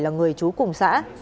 là người chú cùng xã